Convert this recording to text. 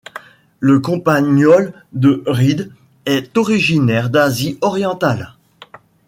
Le campagnol de Reed est originaire d'Asie Orientale.